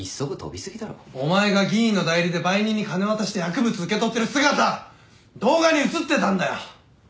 お前が議員の代理で売人に金渡して薬物受け取ってる姿動画に映ってたんだよ！